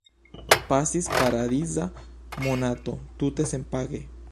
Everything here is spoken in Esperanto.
Pasis paradiza monato, tute senpage...